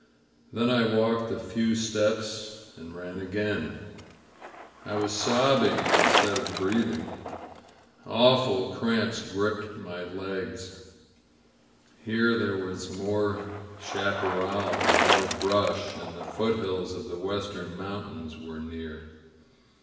Then I walked a few steps and ran again. I was sobbing instead of breathing. Awful cramps gripped my legs. Here there was more chaparral, more brush, and the foothills of the western mountains were near.